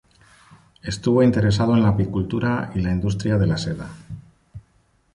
Estuvo interesado en la apicultura y la industria de la seda.